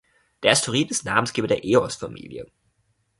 Der Asteroid ist Namensgeber der Eos-Familie.